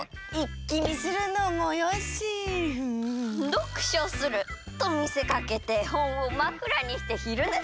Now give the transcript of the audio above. どくしょするとみせかけてほんをまくらにしてひるねするのもよし。